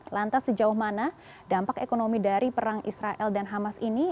lantas sejauh mana dampak ekonomi dari perang israel dan hamas ini